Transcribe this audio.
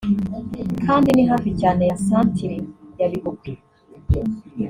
kandi ni hafi cyane ya santire ya Bigogwe